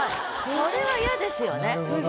これは「や」ですよね。